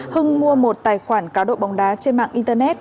hưng mua một tài khoản cá độ bóng đá trên mạng internet